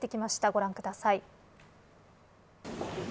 ご覧ください。